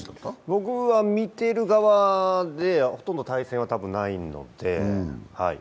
僕は見てる側でほとんど対戦はないので。